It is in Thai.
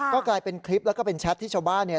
ก็กลายเป็นคลิปแล้วก็เป็นแชทที่ชาวบ้านเนี่ย